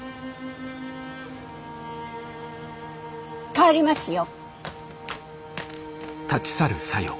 帰りますよ。